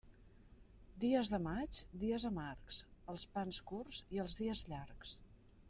Dies de maig, dies amargs: els pans curts i els dies llargs.